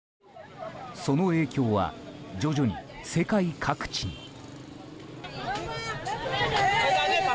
その影響は、徐々に世界各地に。